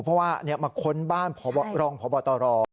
เพราะว่ามาค้นบ้านรองพบตร